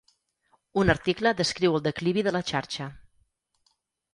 Un article descriu el declivi de la xarxa.